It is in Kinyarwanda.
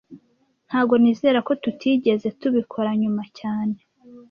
Ntago nizera ko tutigeze tubikora nyuma cyane